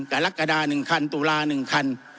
กรกฎา๑คันตุลา๑คัน